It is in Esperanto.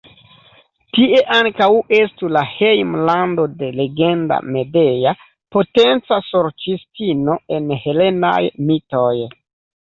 Tie ankaŭ estu la hejmlando de legenda Medea, potenca sorĉistino en helenaj mitoj.